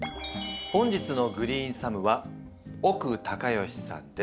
本日のグリーンサムは奥隆善さんです。